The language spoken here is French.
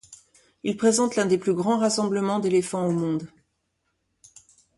Il présente l'un des plus grands rassemblements d'éléphants au monde.